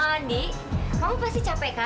kalian nggak percaya